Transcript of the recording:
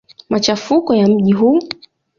Machafuko ya mji huu.